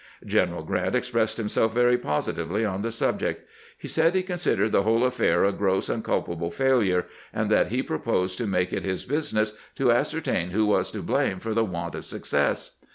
General Grant expressed himself very positively on the subject. He said he considered the whole affair a gross and culpable failure, and that he proposed to make it his business to ascertain who was to blame for the want of success.